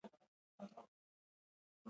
دا د يو بل سره داسې تړلي وي